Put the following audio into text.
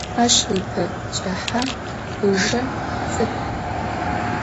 Aş ıpe ç'ıhe, ıjje ts'ık'u.